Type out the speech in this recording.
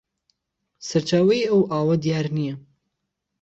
سەرچاوەی ئەو ئاوە دیار نییە